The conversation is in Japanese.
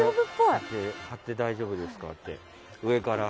貼って大丈夫ですかって。